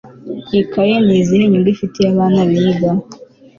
ikaye ni izihe nyungu ifitiye abana biga